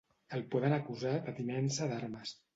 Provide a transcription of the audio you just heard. El poden acusar de tinença d'armes.